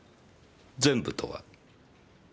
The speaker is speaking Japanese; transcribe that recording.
全部とは？